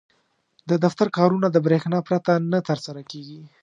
• د دفتر کارونه د برېښنا پرته نه ترسره کېږي.